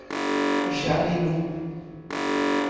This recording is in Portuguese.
Jarinu